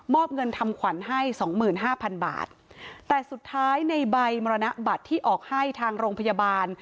อบเงินทำขวัญให้สองหมื่นห้าพันบาทแต่สุดท้ายในใบมรณบัตรที่ออกให้ทางโรงพยาบาล